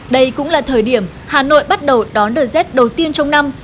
đây cũng là thời điểm hà nội bắt đầu đón đợt rét đầu tiên trong năm